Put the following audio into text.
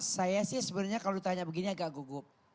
saya sih sebenarnya kalau ditanya begini agak gugup